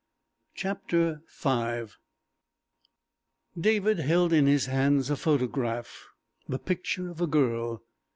CHAPTER V David held in his hands a photograph the picture of a girl.